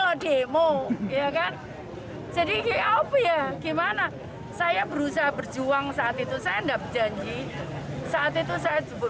ya kan jadi gimana saya berusaha berjuang saat itu saya enggak berjanji saat itu saya